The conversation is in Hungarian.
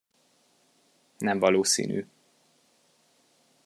Nem valószínű.